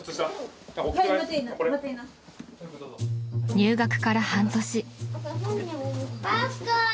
［入学から半年］